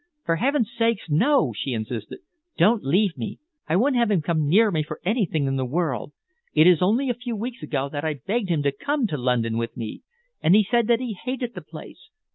"For heaven's sake, no!" she insisted. "Don't leave me. I wouldn't have him come near me for anything in the world. It is only a few weeks ago that I begged him to come to London with me, and he said that he hated the place.